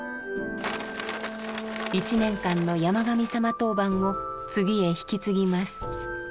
１年間の山神さま当番を次へ引き継ぎます。